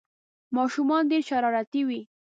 ماشومان ډېر شرارتي وي